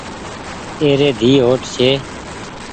اي ري ڌي هوٽ ڇي۔